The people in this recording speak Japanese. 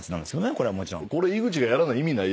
これはもちろん。